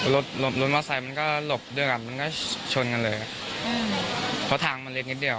รถรถมอไซค์มันก็หลบด้วยกันมันก็ชนกันเลยอืมเพราะทางมันเล็กนิดเดียว